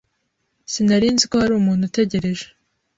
Sinari nzi ko hari umuntu utegereje.